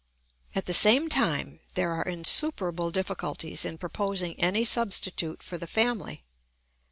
] At the same time there are insuperable difficulties in proposing any substitute for the family.